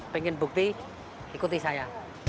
pengen bukti ikuti saya